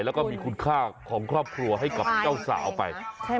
แล้วก็มีคุณค่าของครอบครัวให้กับเจ้าสาวไป